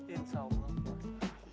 insya allah puasa